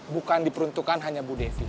bukan diperuntukkan hanya bu devi